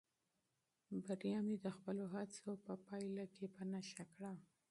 بریا مې د خپلو هڅو په پایله کې په نښه کړه.